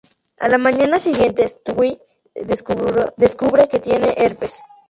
A la mañana siguiente, Stewie descubre que tiene herpes.